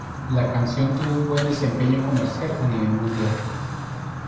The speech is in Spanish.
La canción tuvo un buen desempeño comercial a nivel mundial.